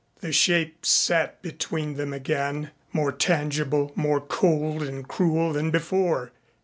The shape sat between them again, more tangible, more cold and cruel than before.